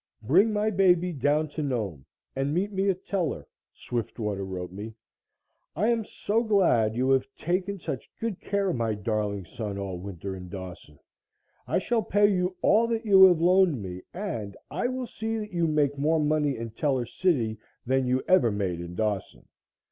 "Bring my baby down to Nome and meet me at Teller," Swiftwater wrote me. "I am so glad you have taken such good care of my darling son all winter in Dawson. I shall pay you all that you have loaned me and I will see that you make more money in Teller City than you ever made in Dawson.